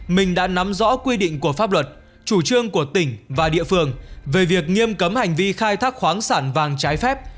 mình đã nắm rõ quy định của pháp luật chủ trương của tỉnh và địa phương về việc nghiêm cấm hành vi khai thác khoáng sản vàng trái phép